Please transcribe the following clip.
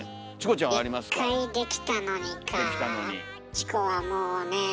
チコはもうねえ